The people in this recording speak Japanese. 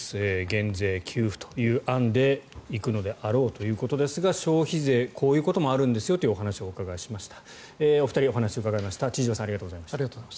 減税、給付という案で行くのであろうということですが消費税でこういうこともあるんですよというお話を伺いました。